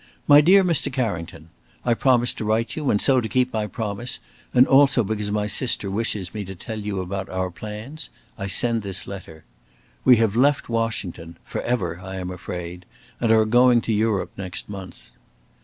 "My dear Mr. Carrington, "I promised to write you, and so, to keep my promise, and also because my sister wishes me to tell you about our plans, I send this letter. We have left Washington for ever, I am afraid and are going to Europe next month.